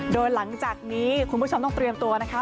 โดยหลังจากนี้คุณผู้ชมต้องเตรียมตัวนะคะ